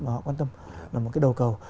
mà họ quan tâm là một cái đầu cầu